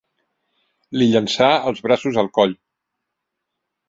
Li llançà els braços al coll.